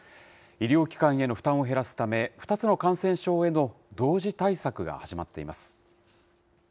医療機関への負担を減らすため、２つの感染症への同時対策が始まっています。